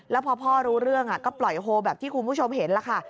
แล้วพอพ่อรู้เรื่องก็ปล่อยโฮแบบที่คุณผู้ชมเห็นล่ะค่ะ